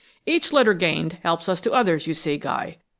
"Each letter gained helps us to others, you see, Guy.